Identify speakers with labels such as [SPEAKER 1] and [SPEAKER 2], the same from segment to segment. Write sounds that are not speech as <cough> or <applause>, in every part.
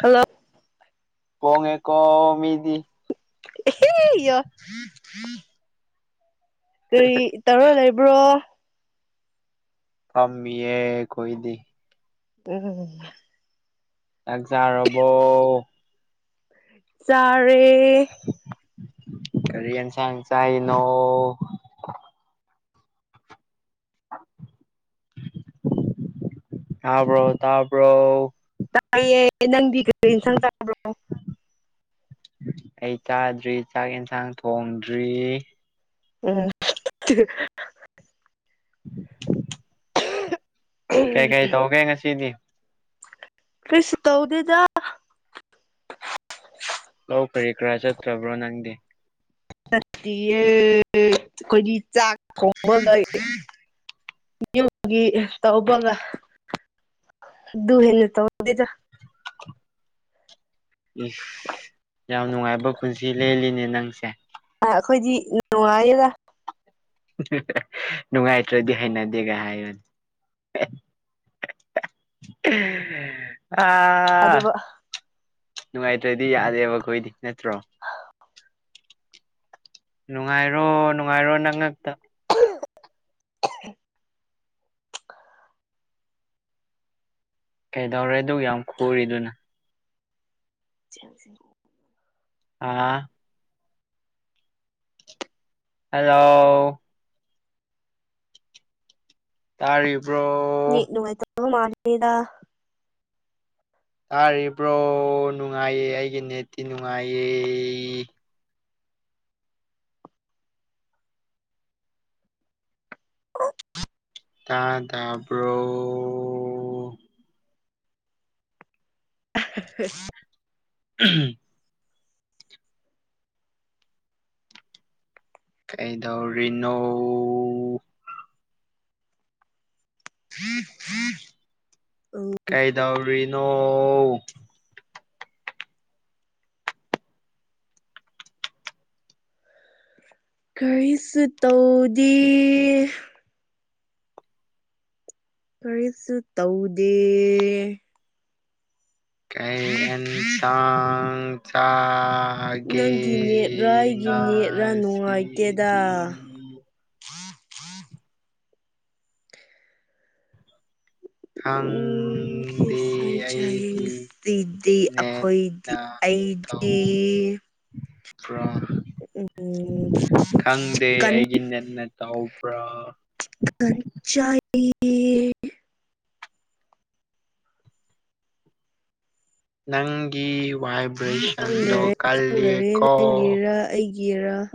[SPEAKER 1] hello
[SPEAKER 2] ꯄꯉꯦꯀꯣ ꯃ ꯃꯤꯗꯤ
[SPEAKER 1] ꯑꯦ ꯀꯔꯤ ꯇꯧꯔ ꯂꯩꯕ꯭ꯔꯣ
[SPEAKER 2] ꯊꯝ ꯌꯦ ꯀꯣꯏꯗꯤ
[SPEAKER 1] ꯎꯝ
[SPEAKER 2] ꯑꯦꯖꯥꯔ ꯍꯕꯣ
[SPEAKER 1] ꯆꯔꯦ
[SPEAKER 2] ꯀꯔꯤ ꯑꯦꯟ ꯁ ꯆ ꯏꯅꯣ ꯇꯕ ꯇꯄꯣ
[SPEAKER 1] ꯇꯥꯏꯌꯦꯦ ꯅꯪꯗꯤ ꯀꯩꯀꯩ ꯏꯟꯁꯪ ꯇꯥꯕ꯭ꯔꯣ
[SPEAKER 2] ꯑꯩ ꯆꯥꯗ꯭ꯔꯤ ꯆꯥꯛ ꯌꯦꯟꯁꯥꯡ ꯊꯣꯡꯗ꯭ꯔꯤ
[SPEAKER 1] ꯎꯝ
[SPEAKER 2] <inaudible> ꯀꯩ ꯀꯥꯏ ꯇꯧꯒꯦ ꯉꯁꯤꯗꯤ
[SPEAKER 1] ꯐꯁꯨ ꯇꯧꯗꯖ
[SPEAKER 2] ꯑ ꯀꯔꯤ ꯀꯔꯥ ꯆꯠꯇ꯭ꯔꯕ꯭ꯔꯣ ꯅꯪꯗꯤ
[SPEAKER 1] ꯁꯠꯇꯤꯌꯦ ꯑꯩꯈꯣꯏꯗꯤ ꯆꯥꯛ ꯀꯣꯡꯕ ꯂꯩ ꯌꯨꯝꯒꯤ ꯇꯧꯕꯒ ꯗꯨꯍꯦꯂ ꯇꯗ
[SPEAKER 2] ꯏꯁ ꯌꯥꯝ ꯅꯨꯡꯉꯥꯏꯕ ꯄꯨꯟꯁꯤ ꯂꯦꯜꯂꯤꯅꯦ ꯅꯪꯁꯦ
[SPEAKER 1] ꯑ ꯑꯩꯈꯣꯏꯗꯤ ꯅꯨꯡꯉꯥꯏꯌꯦꯗ
[SPEAKER 2] ꯅꯨꯡꯉꯥꯏꯇ꯭ꯔꯗꯤ ꯍꯩꯅꯗꯦꯒ ꯍꯥꯏꯔꯅꯤ ꯎ ꯑꯥ
[SPEAKER 1] ꯌꯥꯗꯦꯕ
[SPEAKER 2] ꯅꯨꯡꯉꯥꯏꯇ꯭ꯔꯗꯤ ꯌꯥꯗꯦꯕ ꯑꯩꯈꯣꯏꯗꯤ ꯅꯠꯇ꯭ꯔꯣ ꯅꯨꯡꯉꯥꯏꯔꯣ ꯅꯨꯡꯉꯥꯏꯔꯣ ꯅꯪ ꯉꯛꯇ
[SPEAKER 1] <inaudible>
[SPEAKER 2] ꯀꯩꯗꯧꯔꯦ ꯑꯗꯨꯒ ꯌꯥꯝ ꯈꯨꯔꯤꯗꯨꯅ
[SPEAKER 1] ꯆꯁ
[SPEAKER 2] ꯑꯥ ꯍꯂꯣ ꯇꯔꯕ꯭ꯔꯣ
[SPEAKER 1] ꯃꯤꯠ ꯅꯨꯅꯨꯡꯥꯏ ꯇ ꯃꯥꯗ
[SPEAKER 2] ꯇꯥꯔꯤꯕ꯭ꯔꯣ ꯅꯨꯡꯉꯥꯏꯌꯦ ꯑꯩꯒꯤ ꯅꯦꯠꯇꯤ ꯅꯨꯡꯉꯥꯏꯌꯦ
[SPEAKER 1] ꯑ
[SPEAKER 2] ꯇ ꯇꯕ꯭ꯔꯣ
[SPEAKER 1] <unintelligible>
[SPEAKER 2] ꯝ ꯀꯩꯗꯧꯔꯤꯅꯣ
[SPEAKER 1] ꯎꯝ
[SPEAKER 2] ꯀꯩꯗꯧꯔꯤꯅꯣ
[SPEAKER 1] ꯀꯔꯤꯁꯨ ꯇꯧꯗꯦ ꯀꯔꯤꯁꯨ ꯇꯧꯗꯦ
[SPEAKER 2] ꯀꯩꯟ ꯆꯥꯡꯆꯥ ꯑꯒꯦ
[SPEAKER 1] ꯅꯪꯒꯤ ꯅꯦꯠꯔꯥ ꯑꯩꯒꯤ ꯅꯦꯠꯔꯥ
[SPEAKER 2] ꯉꯁꯤꯗꯤ
[SPEAKER 1] ꯍꯥ ꯍꯥꯥ ꯎꯝ
[SPEAKER 2] ꯈꯪꯗꯦ
[SPEAKER 1] ꯀꯁ ꯆ
[SPEAKER 2] ꯑꯩꯒꯤ
[SPEAKER 1] ꯉꯁꯤꯗꯤ ꯑꯈꯣꯏꯣꯏ
[SPEAKER 2] ꯅꯦꯠꯅ ꯇꯧꯕ꯭ꯔꯥ
[SPEAKER 1] ꯑꯩ ꯎꯝ
[SPEAKER 2] ꯈꯪꯗꯦ
[SPEAKER 1] ꯀꯟꯒꯟ
[SPEAKER 2] ꯑꯩꯒꯤ ꯅꯠꯟꯅ ꯇꯧꯕ꯭ꯔꯥ
[SPEAKER 1] ꯀꯪ ꯆ
[SPEAKER 2] ꯅꯪꯒꯤ ꯚꯥꯏꯕ꯭ꯔꯦꯁꯟꯗꯣ
[SPEAKER 1] ꯈꯪꯗꯔꯦ
[SPEAKER 2] ꯀꯂꯦꯀꯣ
[SPEAKER 1] ꯌꯦꯔ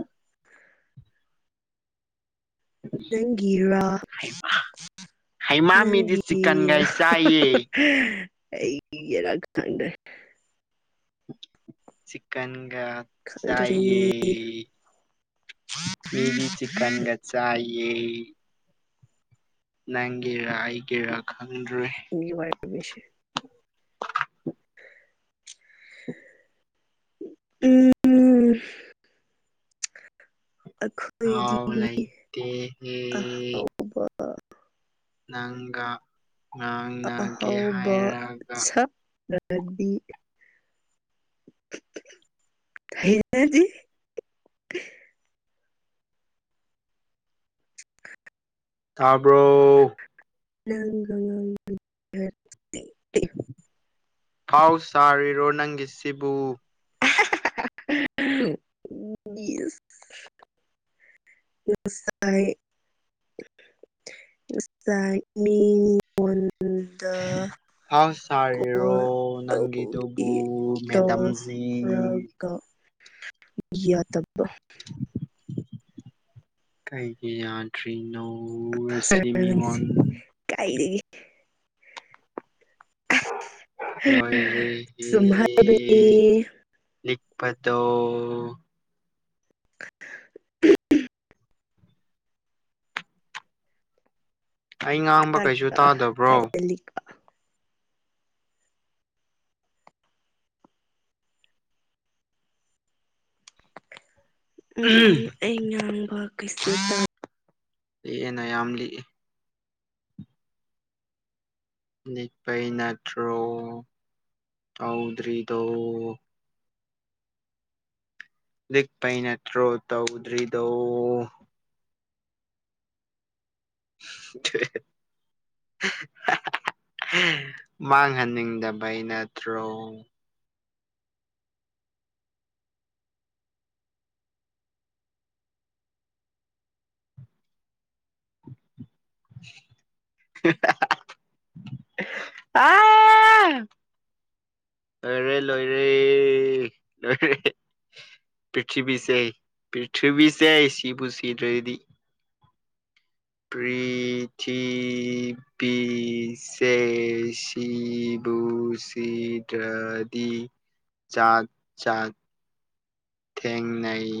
[SPEAKER 1] ꯅꯪꯒꯔꯥ
[SPEAKER 2] ꯍꯩꯃꯥꯃꯤꯗꯤ ꯆꯤꯛꯀꯟꯒ
[SPEAKER 1] ꯅꯪꯒꯤꯔ
[SPEAKER 2] ꯆꯥꯏꯌꯦ
[SPEAKER 1] ꯑꯩ ꯔꯒꯁꯪꯗ
[SPEAKER 2] ꯆꯤꯀꯟ
[SPEAKER 1] ꯈꯪꯗ꯭ꯔꯦ
[SPEAKER 2] ꯆꯦꯗꯤ ꯆꯤꯟꯒ ꯆꯌꯦ ꯅꯪꯒꯤꯦꯔꯥ ꯑꯩꯒꯦꯔꯥ ꯈꯪꯗ꯭ꯔꯦ
[SPEAKER 1] ꯕꯤꯁꯦ
[SPEAKER 2] <inaudible>
[SPEAKER 1] ꯎꯝ ꯎ ꯑꯈꯣꯏ
[SPEAKER 2] ꯊꯥꯎ ꯂꯩꯇꯦꯍꯦ
[SPEAKER 1] ꯑꯍꯥꯎꯕ
[SPEAKER 2] ꯅꯪꯒ ꯉꯥꯡꯅꯒꯦ ꯍꯥꯏꯔꯒ
[SPEAKER 1] ꯂꯗꯤ ꯍꯖꯤ
[SPEAKER 2] ꯇꯔꯕꯣ
[SPEAKER 1] ꯉꯪ ꯉꯪ
[SPEAKER 2] ꯐꯥꯎ ꯁꯥꯔꯤꯔꯣ ꯅꯪꯒꯤ ꯁꯤꯕꯨ
[SPEAKER 1] ꯕꯤꯁ ꯅꯨꯡꯁꯥꯏ ꯁ ꯃꯤꯗ
[SPEAKER 2] ꯍꯥꯎ ꯁꯥꯔꯤꯔꯣ ꯅꯪꯒꯤꯗꯨꯕꯨ ꯃꯦꯗꯝꯁꯤ
[SPEAKER 1] ꯌꯥ ꯇꯕ
[SPEAKER 2] ꯀꯩꯒꯤ ꯌꯥꯗ꯭ꯔꯤꯅꯧ
[SPEAKER 1] ꯁꯥꯔ ꯅꯪꯁꯦ
[SPEAKER 2] ꯁꯤꯃꯤꯉꯟ
[SPEAKER 1] ꯀꯥꯏꯗꯒꯤ
[SPEAKER 2] ꯂꯣꯏ
[SPEAKER 1] ꯁꯨꯝ ꯍꯥꯏꯕꯅꯦ
[SPEAKER 2] ꯔꯦꯍꯤ ꯄꯗꯣ ꯑꯩ ꯉꯥꯡꯕ ꯀꯩꯁꯨ ꯇꯥꯗꯕ꯭ꯔꯣ
[SPEAKER 1] ꯀꯥꯏꯗ ꯂꯤꯛꯄ ꯎꯝ ꯑꯩ ꯉꯕ ꯀꯁ
[SPEAKER 2] ꯂꯩꯑꯦꯅ ꯌꯥꯝ ꯂꯤꯏ ꯅꯅꯤꯠꯄꯩ ꯅꯠꯇ꯭ꯔꯣ ꯇꯧꯗ꯭ꯔꯤꯗꯣ ꯂꯤꯛꯄꯩ ꯅꯠꯇ꯭ꯔꯣ ꯇꯧ ꯎꯗꯔꯤꯗꯣ <inaudible> ꯃꯥꯡꯍꯟꯅꯤꯡꯗꯕꯩ ꯅꯠꯇ꯭ꯔꯣ <unintelligible> ꯑ ꯂꯣꯏꯔꯦ ꯂꯣꯏꯔꯦ ꯂꯣꯏꯔꯦ ꯄꯤꯊꯤꯕꯤꯁꯏ ꯄꯤꯤꯕꯤꯁ ꯁꯤꯕꯨ ꯁꯤꯗꯗꯤ ꯄ꯭ꯔꯤꯊꯤꯕꯤꯕꯤ ꯁꯦꯁꯤꯕꯨꯨꯁꯤ ꯗꯗꯤ ꯆꯥꯠ ꯆꯥꯠ ꯊꯦꯡꯅꯩ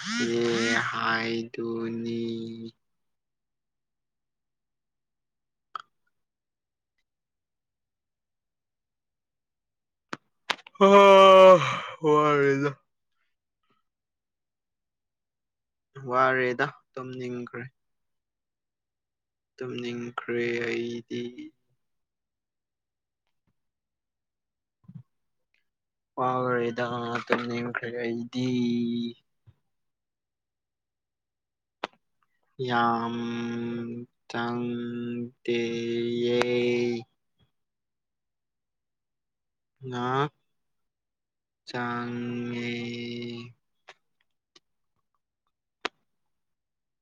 [SPEAKER 2] ꯔꯦ ꯍꯥꯏꯗꯨꯅꯤ ꯍ ꯍꯋꯖ ꯋꯥꯔꯦꯗ ꯇꯨꯝꯅꯤꯡꯈ꯭ꯔꯦ ꯇꯨꯝꯅꯤꯡꯈ꯭ꯔꯦ ꯑꯩꯗꯤ ꯋꯥꯒꯦꯗꯈꯒꯗꯤ ꯌꯥꯝ ꯆꯪꯗ ꯑ ꯆꯉꯅꯤ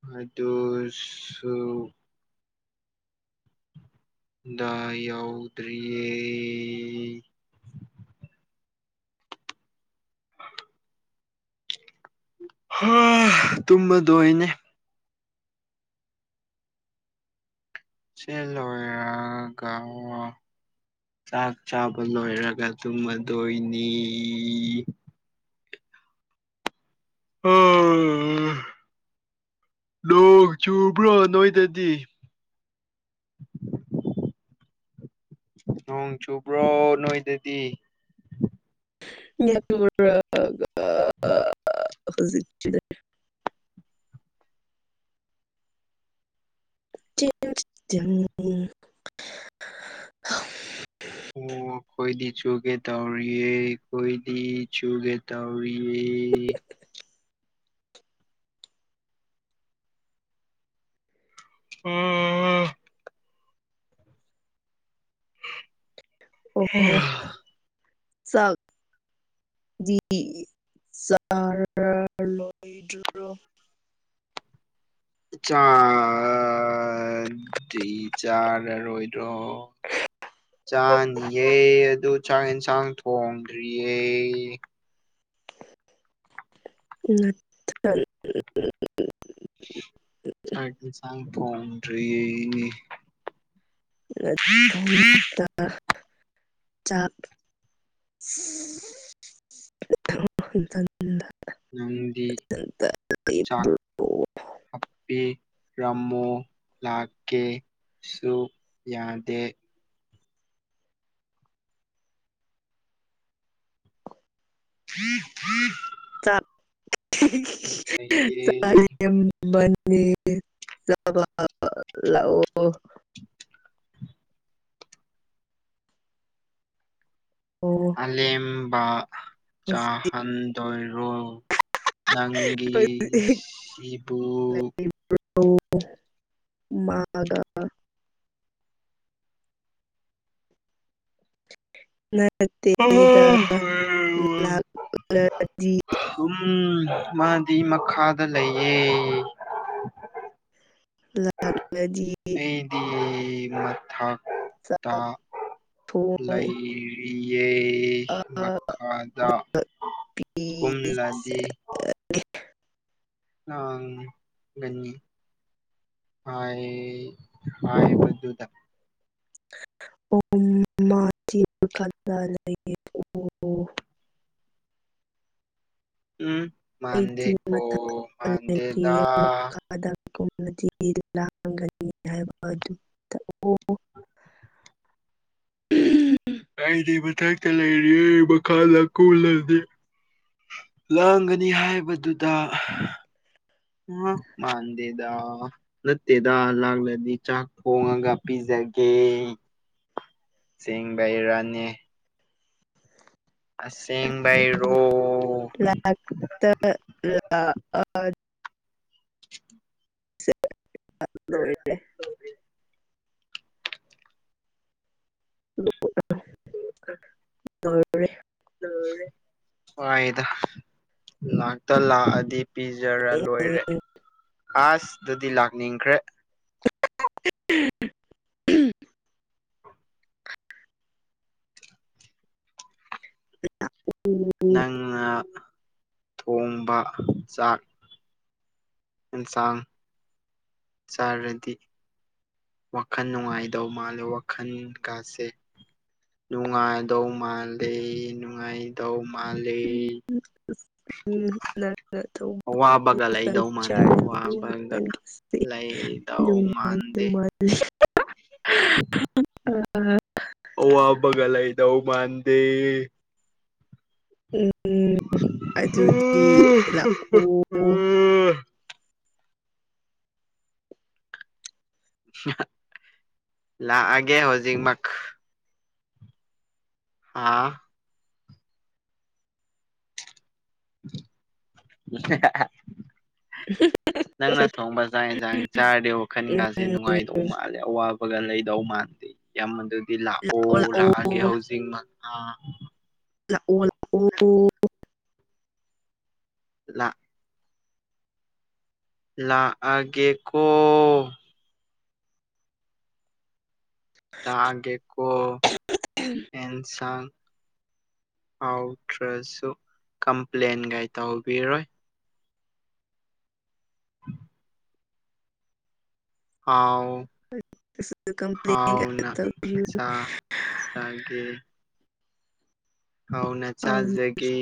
[SPEAKER 2] ꯍꯥꯏꯗꯨꯁ ꯗ ꯌꯧꯗꯔꯤ ꯍ ꯇꯨꯝꯃꯗꯣ ꯑꯣꯏꯅꯦ ꯆꯂꯔꯒ ꯆꯥꯛ ꯆꯥꯕ ꯂꯣꯏꯔꯒ ꯇꯨꯝꯃꯗꯣꯏꯅꯤ ꯑꯣ ꯂꯣꯛ ꯆꯨꯕ꯭ꯔꯣ ꯅꯣꯏꯗꯗꯤ <unintelligible> ꯅꯣꯡ ꯆꯨꯕ꯭ꯔꯣ ꯅꯣꯏꯗꯗꯤ
[SPEAKER 1] ꯏ ꯇꯔ ꯖꯤ ꯆꯗ <inaudible>
[SPEAKER 2] ꯑꯣ ꯑꯩꯈꯣꯏꯗꯤ ꯆꯨꯒꯦ ꯇꯧꯔꯤꯌꯦꯦ ꯑꯩꯈꯣꯏꯗꯤ ꯆꯨꯒꯦ ꯇꯧꯔꯤꯌꯦ ꯎꯝ ꯑꯣ ꯑ
[SPEAKER 1] ꯁ ꯆꯔ ꯂꯣꯏ ꯗꯔꯣ
[SPEAKER 2] ꯑꯆꯥ ꯗꯤ ꯆꯥꯔꯔꯣꯏꯗ꯭ꯔꯣ ꯆꯥꯅꯤꯑ ꯑꯗꯨ ꯆꯥꯛ ꯑꯦꯟꯁꯥꯡ ꯊꯣꯡꯗ꯭ꯔꯤꯌꯦ
[SPEAKER 1] ꯎ
[SPEAKER 2] ꯑ ꯆꯥꯡ ꯄꯟꯦ
[SPEAKER 1] ꯑꯗꯨ ꯆꯥꯛ ꯏꯗ
[SPEAKER 2] ꯅꯪꯗꯤ ꯆꯥꯛ ꯍꯥꯞꯄꯤ ꯔꯝꯃꯨ ꯂꯥꯛꯀꯦꯁꯨ ꯌꯥꯗꯦ ꯎ ꯎ
[SPEAKER 1] ꯆ
[SPEAKER 2] ꯂꯩꯌꯦ
[SPEAKER 1] ꯆꯝ ꯃꯅꯤ ꯆꯕꯑꯣ ꯑꯣ
[SPEAKER 2] ꯑꯂꯝꯕ
[SPEAKER 1] ꯍꯧꯖꯤꯛ
[SPEAKER 2] ꯆꯥꯍꯟꯗꯣꯏꯔꯣ ꯅꯪꯒꯤꯤꯕꯨꯨ
[SPEAKER 1] ꯑꯣ ꯃꯥꯒ ꯅꯠꯇꯗ
[SPEAKER 2] ꯎꯝ
[SPEAKER 1] ꯂꯗꯤ
[SPEAKER 2] ꯎꯝ ꯃꯥꯗꯤ ꯃꯈꯥꯗ ꯂꯩꯌꯦ
[SPEAKER 1] ꯂ
[SPEAKER 2] ꯑꯩꯗꯤ ꯃꯊꯛꯇ
[SPEAKER 1] ꯆꯥꯊꯣꯡ
[SPEAKER 2] ꯂꯩꯔꯤꯦꯂꯥꯗ ꯀꯣꯝꯂꯗꯤ ꯑ ꯅꯤ ꯍ ꯍꯨ ꯊ
[SPEAKER 1] ꯑꯣ ꯃꯥ ꯂꯩ ꯑꯣ
[SPEAKER 2] <inaudible> ꯎꯝ
[SPEAKER 1] ꯑꯩꯒꯤ
[SPEAKER 2] ꯃꯥꯟꯗꯦꯀꯣ ꯃꯥꯟꯗꯦꯗ
[SPEAKER 1] ꯃꯊꯔꯤꯗ ꯂꯥꯡꯒꯅꯤ ꯍꯥꯏꯕ ꯑꯗꯨꯗ
[SPEAKER 2] <inaudible> ꯀꯥꯏꯗꯤꯕ ꯇ ꯀ ꯂꯩ ꯂꯩꯔꯤ ꯏꯕ ꯀꯂ ꯀꯜꯗꯤ ꯂꯥꯡꯒꯅꯤ ꯍꯥꯏꯕꯗꯨꯗ ꯃꯥꯟꯗꯦꯗ ꯅꯠꯇꯦꯗ ꯂꯥꯛꯂꯗꯤ ꯆꯥꯛ ꯊꯣꯡꯉꯒ ꯄꯤꯖ ꯆꯦꯡꯕ ꯏꯔꯥꯅꯤ ꯑꯁꯦꯡ ꯕꯥꯏꯔꯣ
[SPEAKER 1] ꯂꯇ ꯂ ꯑ ꯦ <inaudible> ꯂꯔꯔꯦ
[SPEAKER 2] ꯐꯗ ꯂꯥꯛꯇ ꯂꯥꯛꯑꯗꯤ ꯄꯤꯖꯔ ꯂꯣꯏꯔꯦ ꯑꯁ ꯑꯗꯨꯗꯤ ꯂꯥꯛꯅꯤꯡꯈ꯭ꯔꯦ
[SPEAKER 1] ꯎꯝ
[SPEAKER 2] <inaudible> ꯅꯪꯅ ꯊꯣꯡꯕ ꯆꯥꯛ ꯑꯦꯟꯁꯥꯡ ꯆꯔꯗꯤ ꯋꯥꯈꯜ ꯅꯨꯡꯉꯥꯏꯗꯧ ꯃꯥꯜꯂꯦ ꯋꯥꯈꯜ ꯀꯥꯁꯦ ꯅꯨꯡꯉꯥꯏꯗꯧ ꯃꯥꯜꯜꯂꯤꯦ ꯅꯨꯡꯉꯥꯏꯗꯧ ꯃꯥꯂ
[SPEAKER 1] ꯅꯪꯅ ꯊꯣꯡꯕ
[SPEAKER 2] ꯑꯋꯥꯕꯒ ꯂꯩꯗꯧ ꯃꯥꯟꯗꯦ
[SPEAKER 1] ꯆꯥꯛꯆꯥꯔꯗꯤ
[SPEAKER 2] ꯑꯋꯥꯕꯒ
[SPEAKER 1] ꯋꯥꯈꯜꯒꯁꯦ
[SPEAKER 2] ꯂꯩꯗꯧ ꯃꯥꯟꯗꯦ
[SPEAKER 1] ꯑ
[SPEAKER 2] ꯑꯣ ꯑꯕꯒ ꯂꯏꯗꯧ ꯃꯥꯟꯗ
[SPEAKER 1] ꯎꯝ ꯑꯗꯨꯗꯤ ꯂꯥꯛꯑꯣ
[SPEAKER 2] ꯂꯥꯛꯑꯒꯦ ꯍꯧꯖꯤꯛ ꯃꯛ ꯍꯥꯥ <inaudible>
[SPEAKER 1] ꯎ
[SPEAKER 2] ꯅꯪꯅ ꯊꯣꯡꯕ ꯆꯥꯛ ꯌꯦꯟꯁꯥꯡ ꯆꯥꯔꯗꯦ ꯋꯥꯈꯜꯒꯥꯁꯦ ꯅꯨꯡꯉꯥꯏꯗꯧ ꯃꯥꯜꯂꯦ ꯑꯋꯥꯕꯒ ꯂꯩ ꯧ ꯃꯥꯟꯗꯦ ꯌꯥꯝ ꯃ ꯑꯗꯨꯗꯤ ꯂꯥꯛꯑꯣ ꯂꯥꯛꯑꯒꯦ ꯍꯧ
[SPEAKER 1] ꯂꯥꯛꯑꯣ ꯂꯥꯛꯑꯣ
[SPEAKER 2] ꯂ ꯂꯥꯛꯑꯒꯦꯀꯣ ꯇꯥꯦꯀ ꯑꯦꯟꯁꯥꯡ ꯍꯗ꯭ꯔꯁꯨ ꯀꯝꯄ꯭ꯂꯦꯟꯒꯥꯏ ꯇꯧꯕꯤꯔꯣꯏ ꯎꯝ ꯍꯥꯎ
[SPEAKER 1] ꯀꯝꯄ꯭ꯂꯦꯟꯒ
[SPEAKER 2] ꯍꯥꯎꯅ ꯄꯦꯁꯥ ꯁꯥꯒꯦ ꯍꯅ
[SPEAKER 1] ꯇꯧꯔꯛꯑꯣꯅꯦ
[SPEAKER 2] ꯆꯥꯖꯒꯦ